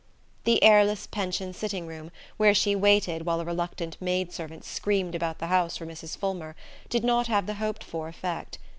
The airless pension sitting room, where she waited while a reluctant maid servant screamed about the house for Mrs. Fulmer, did not have the hoped for effect.